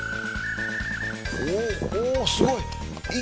おっおっすごい。